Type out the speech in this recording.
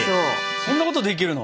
そんなことできるの？